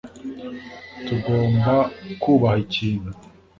tugomba kubaha ikintu